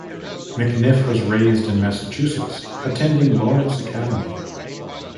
McNiff was raised in Massachusetts attending Lawrence Academy.